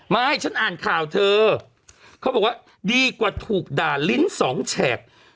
ไม่ฉันอ่านข่าวเธอเขาบอกว่าดีกว่าถูกด่าลิ้นสองแฉก